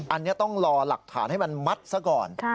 อันนี้ต้องรอหลักฐานให้มันมัดซะก่อน